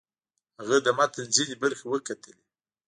هغه د متن ځینې برخې وکتلې.